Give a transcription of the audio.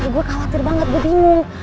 gua khawatir banget gua bingung